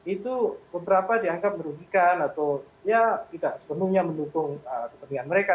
itu beberapa dianggap merugikan atau ya tidak sepenuhnya mendukung kepentingan mereka